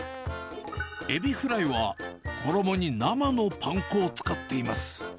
エビフライは衣に生のパン粉を使っています。